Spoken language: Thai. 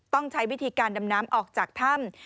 ต้องใช้วิธีการดำน้ำออกจากถ้ำ